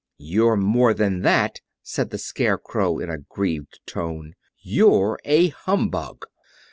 "You're more than that," said the Scarecrow, in a grieved tone; "you're a humbug."